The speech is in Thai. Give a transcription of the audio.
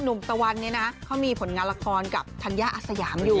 ตะวันเนี่ยนะเขามีผลงานละครกับธัญญาอาสยามอยู่